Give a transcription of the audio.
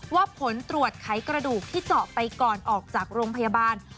ผลตรวจไขกระดูกที่เจาะไปก่อนออกจากโรงพยาบาล